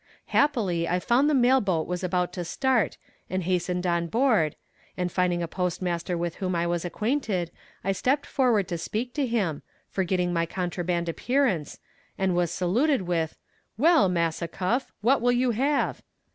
Happily I found the mail boat was about to start, and hastened on board, and finding a Postmaster with whom I was acquainted, I stepped forward to speak to him, forgetting my contraband appearance, and was saluted with "Well, Massa Cuff what will you have?"